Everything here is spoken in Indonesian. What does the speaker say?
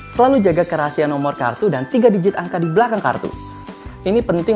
selalu jaga kerahasiaan nomor kartu dan tiga digit angka di belakang kartu ini penting